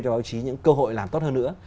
cho báo chí những cơ hội làm tốt hơn nữa